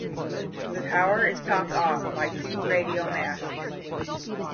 The tower is topped off by two radio masts.